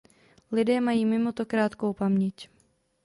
Lidé mají mimoto krátkou paměť.